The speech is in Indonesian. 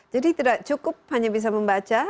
jadi tidak cukup hanya bisa membaca